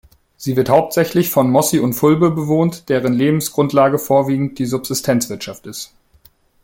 Sie wird hauptsächlich von Mossi und Fulbe bewohnt, deren Lebensgrundlage vorwiegend die Subsistenzwirtschaft ist.